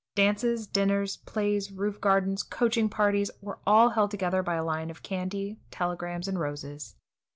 Dances, dinners, plays, roof gardens, coaching parties, were all held together by a line of candy, telegrams, and roses.